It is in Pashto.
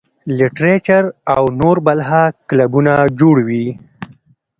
لټرېچر او نور بلها کلبونه جوړ وي -